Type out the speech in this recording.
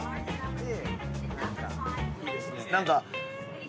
何か。